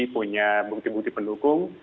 punya bukti bukti pendukung